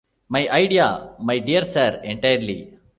My idea, my dear Sir, entirely.